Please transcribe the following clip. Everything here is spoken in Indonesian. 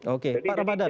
oke pak ramadhan